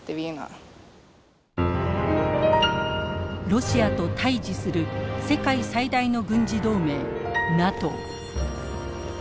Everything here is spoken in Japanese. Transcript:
ロシアと対峙する世界最大の軍事同盟ＮＡＴＯ。